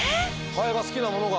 ハエが好きなものが。